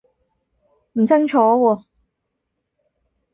唔清楚喎